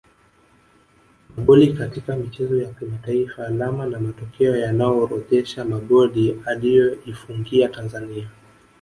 Magoli katika michezo ya kimataifa Alama na matokeo yanaorodhesha magoli aliyoifungia Tanzania